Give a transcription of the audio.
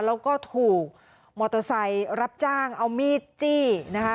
แล้วก็ถูกมอเตอร์ไซค์รับจ้างเอามีดจี้นะคะ